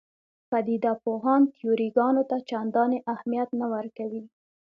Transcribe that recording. پدیده پوهان تیوري ګانو ته چندانې اهمیت نه ورکوي.